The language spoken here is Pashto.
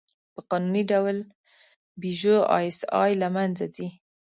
په قانوني ډول «پيژو ایسآی» له منځه ځي.